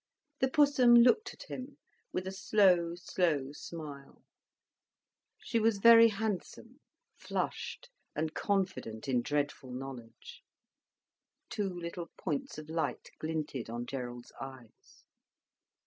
The Pussum looked at him with a slow, slow smile. She was very handsome, flushed, and confident in dreadful knowledge. Two little points of light glinted on Gerald's eyes.